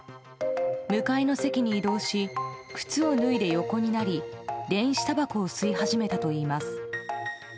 向かいの席に移動し靴を脱いで横になり電子たばこを吸い始めたといいます。